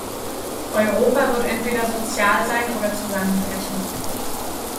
Europa wird entweder sozial sein oder zusammenbrechen.